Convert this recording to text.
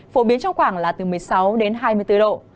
phổ biến trong khoảng là từ một mươi sáu đến hai mươi bốn độ